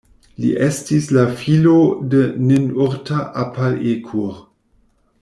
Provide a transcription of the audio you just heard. Li estis la filo de Ninurta-apal-ekur.